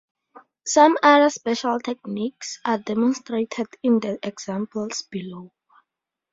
Some other special techniques are demonstrated in the examples below.